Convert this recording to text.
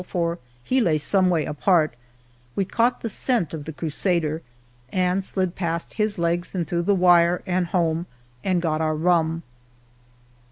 For he lay some way apart, we caught the scent Of the Crusader and slid pa ft his legs, And through the wire and home, and got our rum.